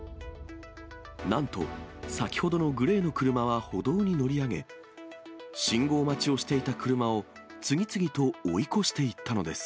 なんと、先ほどのグレーの車は歩道に乗り上げ、信号待ちをしていた車を次々と追い越していったのです。